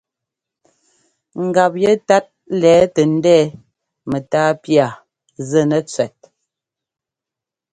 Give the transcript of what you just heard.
Ngap yɛtát lɛ̌ tɛ ndɛ̌ɛ mɛ́tá pía zɛnɛ cʉɛt.